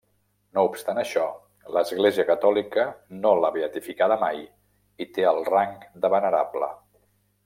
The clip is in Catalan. No obstant això, l'Església catòlica no l'ha beatificada mai i té el rang de venerable.